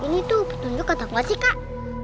ini tuh petunjuk atau enggak sih kak